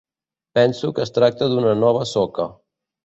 Penso que es tracta d'una nova soca.